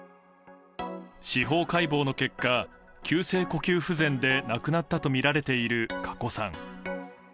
司法解剖の結果、急性呼吸不全で亡くなったとみられている加古さん。